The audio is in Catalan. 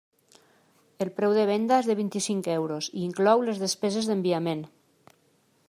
El preu de venda és de vint-i-cinc euros i inclou les despeses d'enviament.